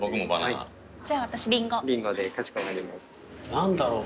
何だろう。